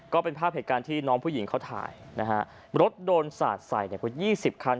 ก็เป็นภาพเหตุการณ์ที่น้องผู้หญิงเขาถ่ายนะฮะรถโดนสาดใส่กว่า๒๐คัน